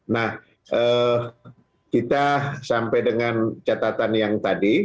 nah kita sampai dengan catatan yang tadi